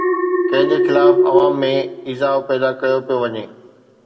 ڪنهن جي خلاف عوام ۾ ايذاءُ پيدا ڪيو پيو وڃي؟